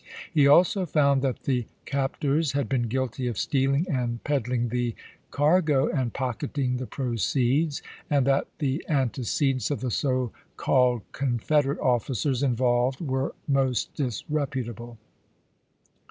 He also found that the captors had been guilty of stealing and peddling the cargo and pocketing the proceeds, and that the antecedents of the so called Confederate officers involved were most disrepu table.